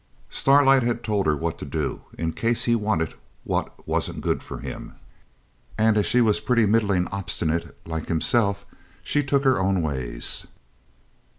Starlight had told her what to do in case he wanted what wasn't good for him, and as she was pretty middling obstinate, like himself, she took her own ways.